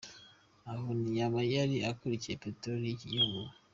Aho ntiyaba yari akurikiye peteroli y’iki gihugu ?.